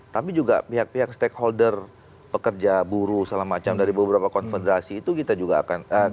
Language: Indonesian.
tapi juga pihak pihak stakeholder pekerja buruh segala macam dari beberapa konfederasi itu kita juga akan